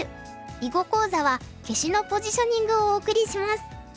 囲碁講座は「消しのポジショニング」をお送りします。